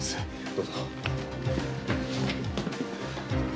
どうぞ。